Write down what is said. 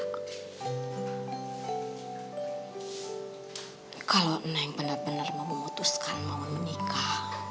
neng kalau neng benar benar mau memutuskan mau menikah